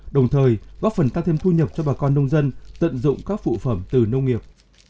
đồng thời góp phần tăng thêm thu nhập cho bà con nông dân tận dụng các phụ phẩm từ nông nghiệp